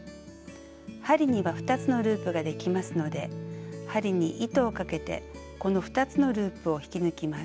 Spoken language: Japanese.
針には２つのループができますので針に糸をかけてこの２つのループを引き抜きます。